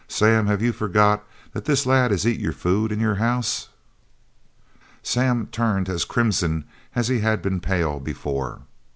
"Sam, have you forgot that this lad has eat your food in your house?" Sam turned as crimson as he had been pale before.